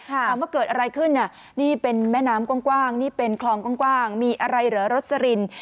ถามว่าเกิดอะไรขึ้นนี่เป็นแม่น้ำกว้างนี่เป็นคลองกว้างมีอะไรเหรอรสลิน